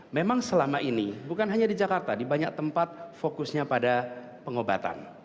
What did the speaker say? memang selama ini bukan hanya di jakarta di banyak tempat fokusnya pada pengobatan